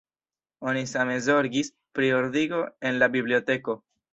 Oni same zorgis pri ordigo en la biblioteko.